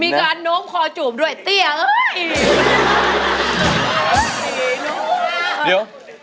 มีการนมคอจูบด้วยเตี้ย